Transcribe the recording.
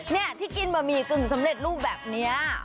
นี่ที่กินบะหมี่กึ่งสำเร็จรูปแบบนี้